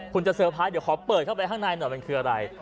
คุณจะเซอร์ไพรส์เดี๋ยวขอเปิดเข้าไปข้างในหน่อยมันคืออะไร